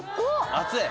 熱い？